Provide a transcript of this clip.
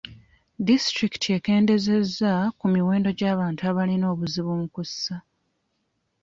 Disitulikiti ekeendezeza ku muwendo gw'abantu abalina obuzibu mu kussa.